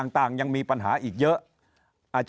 ต่างยังมีปัญหาอีกเยอะอาจจะ